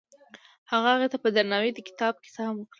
هغه هغې ته په درناوي د کتاب کیسه هم وکړه.